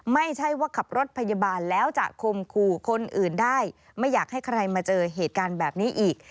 ไม่ใช่ว่าขับรถพยาบาลแล้วจะคมขู่คนอื่นได้ไม่อยากให้ใครมาเจอเหตุการณ์แบบนี้อีก